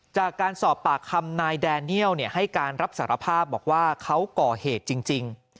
จากการสอบปากคำนายแดเนียลให้การรับสารภาพบอกว่าเขาก่อเหตุจริง